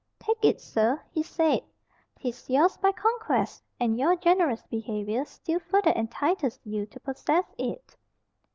"Take it, sir," he said; "'tis yours[Pg 62] by conquest, and your generous behavior still further entitles you to possess it."